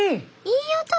いい音！